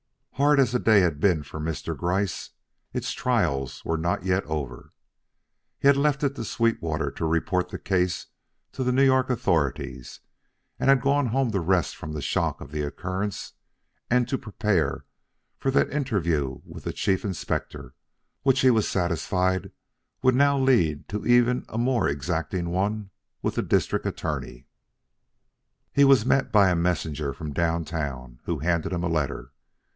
Hard as the day had been for Mr. Gryce, its trials were not yet over. He had left it to Sweetwater to report the case to the New York authorities and had gone home to rest from the shock of the occurrence and to prepare for that interview with the Chief Inspector which he was satisfied would now lead to an even more exacting one with the District Attorney. He was met by a messenger from downtown who handed him a letter.